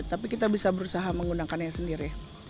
tapi kita bisa berusaha menggunakannya sendiri